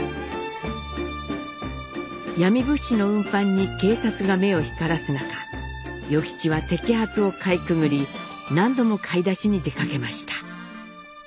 闇物資の運搬に警察が目を光らす中与吉は摘発をかいくぐり何度も買い出しに出かけました。